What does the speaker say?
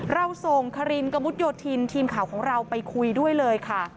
เราส่งคารินกระมุดโยธินทีมข่าวของเราไปคุยด้วยเลยค่ะ